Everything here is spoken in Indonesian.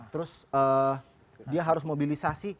terus dia harus mobilisasi